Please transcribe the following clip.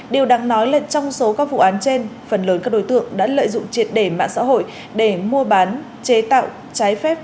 điều đáng nói là trong số các vụ án trên phần lớn các đối tượng đã lợi dụng triệt đề mạng xã hội để mua bán chế tạo trái phép vũ khí quân dụng vật liệu nổ